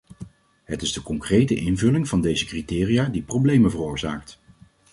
Het is de concrete invulling van deze criteria die problemen veroorzaakt.